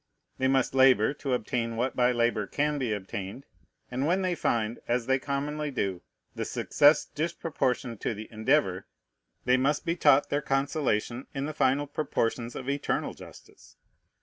They must labor to obtain what by labor can be obtained; and when they find, as they commonly do, the success disproportioned to the endeavor, they must be taught their consolation in the final proportions of eternal justice.